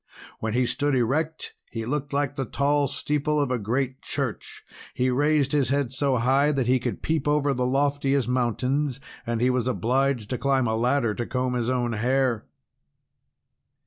When he stood erect, he looked like the tall steeple of a great church. He raised his head so high that he could peep over the loftiest mountains; and he was obliged to climb a ladder to comb his own hair.